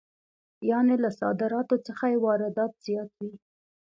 یانې له صادراتو څخه یې واردات زیات وي